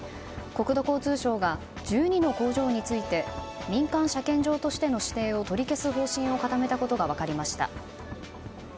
国土交通省が１２の工場について民間車検場としての指定を取り消す方針を固めたことが分かりました。